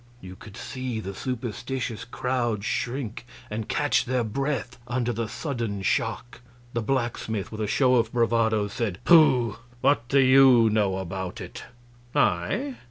You could see the superstitious crowd shrink and catch their breath, under the sudden shock. The blacksmith, with a show of bravado, said: "Pooh! What do you know about it?" "I?